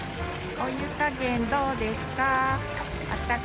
お湯加減、どうですか。